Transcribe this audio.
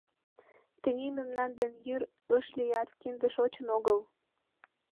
Тений мемнан дене йӱр ыш лият, кинде шочын огыл.